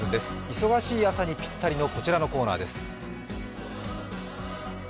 忙しい朝にぴったりのこちらのコーナーです。